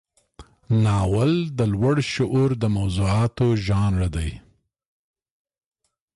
ناول د لوړ شعور د موضوعاتو ژانر دی.